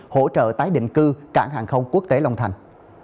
hỗ trợ tái định cư cảng hàng không quốc tế long thành